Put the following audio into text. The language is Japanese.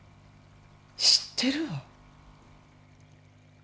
知ってるわ。